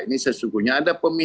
ini juga bisa dikawal